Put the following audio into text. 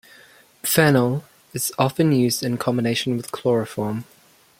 Phenol is often used in combination with chloroform.